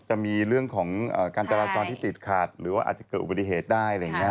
จะมีเรื่องของการจราชรอนที่ติดขาดหรือว่าอาจจะเกิดอุบัติเหตุได้